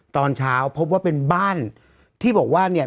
ตอนเช้าพบว่าเป็นบ้านที่บอกว่าเนี่ย